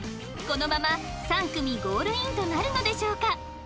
このまま３組ゴールインとなるのでしょうか？